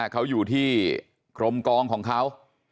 เขาอยู่ที่กรมกองของเขา